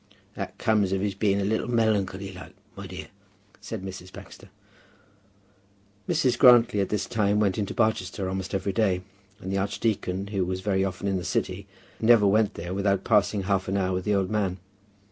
"That comes of his being a little melancholy like, my dear," said Mrs. Baxter. Mrs. Grantly at this time went into Barchester almost every day, and the archdeacon, who was very often in the city, never went there without passing half an hour with the old man.